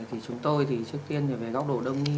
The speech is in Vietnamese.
thì chúng tôi thì trước tiên về góc độ đồng y